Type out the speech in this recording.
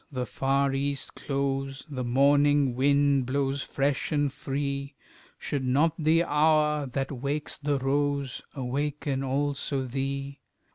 The far east glows, The morning wind blows fresh and free Should not the hour that wakes the rose Awaken also thee?